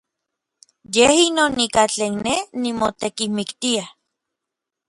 Yej inon ika tlen nej nimotekimiktia.